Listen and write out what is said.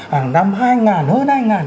hàng năm hai nghìn hơn hay hơn